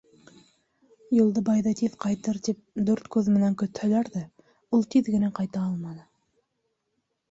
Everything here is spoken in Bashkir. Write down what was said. Юлдыбайҙы тиҙ ҡайтыр тип, дүрт күҙ менән көтһәләр ҙә, ул тиҙ генә ҡайта алманы.